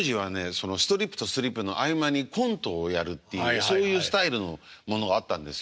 そのストリップとストリップの合間にコントをやるっていうそういうスタイルのものがあったんですよ。